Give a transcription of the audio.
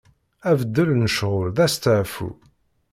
Abeddel n ccɣel d astaɛfu.